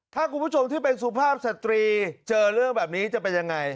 ถ้าคุณผู้ชมที่เป็นสุภาพสตรีเจอเรื่องแบบนี้จะเป็นยังไง